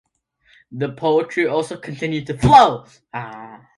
The poetry also continued to flow.